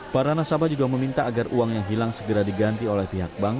para nasabah juga meminta agar uang yang hilang segera diganti oleh pihak bank